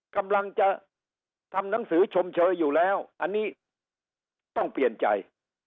กำลังจะทำหนังสือชมเชยอยู่แล้วอันนี้ต้องเปลี่ยนใจ